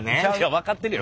分かってるよ